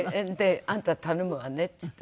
「あんた頼むわね」って言って。